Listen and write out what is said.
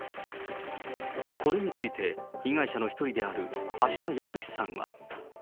これについて、被害者の一人である橋田康さんは。